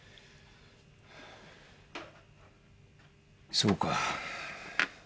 そうか。